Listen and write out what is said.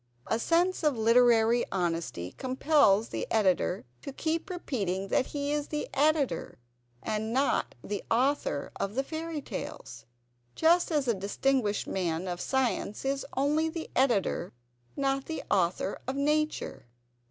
A sense of literary honesty compels the Editor to keep repeating that he is the Editor, and not the author of the Fairy Tales, just as a distinguished man of science is only the Editor, not the Author of Nature.